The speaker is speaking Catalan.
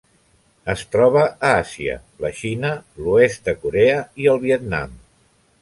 Es troba a Àsia: la Xina, l'oest de Corea i el Vietnam.